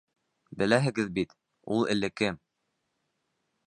Беләһегеҙ бит, ул элекке...